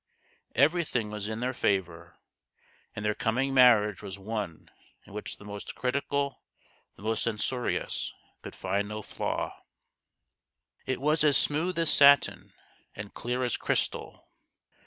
Everything was in their favour, and their coming marriage was one in which the most critical, the most censorious, THE GHOST OF THE PAST. 149 could find no flaw. It was as smooth as satin and clear as crystal.